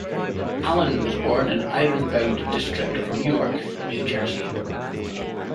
Alan was born in the Ironbound District in Newark, New Jersey.